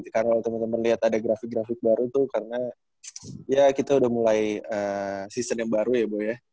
karena teman teman lihat ada grafik grafik baru tuh karena ya kita udah mulai season yang baru ya bu ya